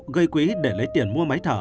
gây quý để lấy tiền mua máy thở